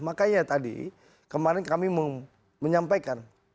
makanya tadi kemarin kami menyampaikan